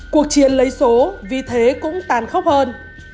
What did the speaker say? cuộc chiến lấy số vì thế cũng tàn khốc hơn